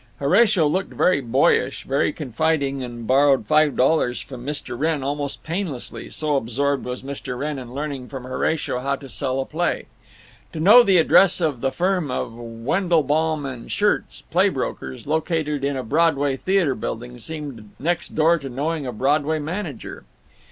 Horatio looked very boyish, very confiding, and borrowed five dollars from Mr. Wrenn almost painlessly, so absorbed was Mr. Wrenn in learning from Horatio how to sell a play. To know the address of the firm of Wendelbaum & Schirtz, play brokers, located in a Broadway theater building, seemed next door to knowing a Broadway manager.